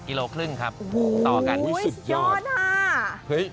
กิโลครึ่งครับต่อกันโอ้โฮสุดยอดฮะ